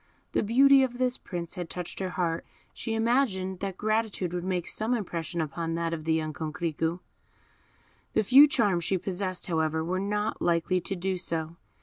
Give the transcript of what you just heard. The beauty of this Prince had touched her heart, she imagined that gratitude would make some impression upon that of the young Coquerico. The few charms she possessed, however, were not likely to do so.